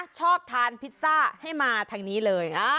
ชอบทานพิซซ่าให้มาทางนี้เลย